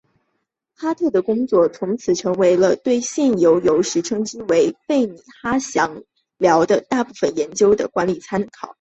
哈特的工作从此成为了对现在有时称为费米哈特佯谬的大部分研究的理论参考。